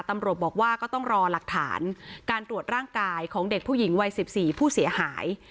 ตำรวจบอกว่าก็ต้องรอหลักฐานการตรวจร่างกายของเด็กผู้หญิงวัย๑๔ผู้เสียหาย